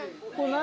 何？